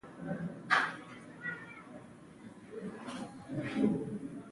تنوع د افغانستان د انرژۍ سکتور برخه ده.